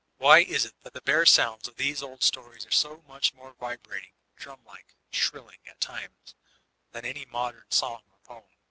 Why is it that the bare sounds of these old stories are so much more vibrating, drum like, shrilling, at times, than any modem song or poem?